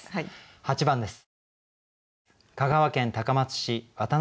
８番です。